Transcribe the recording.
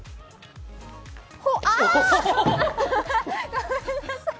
あー！ごめんなさい。